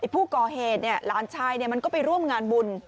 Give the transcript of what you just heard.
ผู้ก่อเหตุเนี่ยหลานชายเนี่ยมันก็ไปร่วมงานบุญ